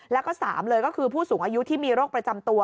แล้วก็๓เลยก็คือผู้สูงอายุที่มีโรคประจำตัว